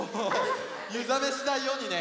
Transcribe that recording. ゆざめしないようにね！